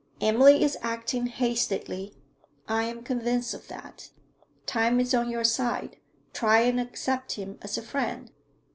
Emily is acting hastily; I am convinced of that. Time is on your side; try and accept him as a friend.